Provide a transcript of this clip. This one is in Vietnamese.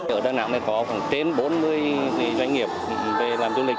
ở đà nẵng này có khoảng trên bốn mươi doanh nghiệp về làm du lịch